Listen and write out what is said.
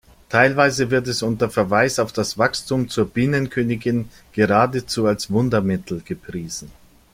Teilweise wird es unter Verweis auf das Wachstum zur Bienenkönigin geradezu als Wundermittel gepriesen.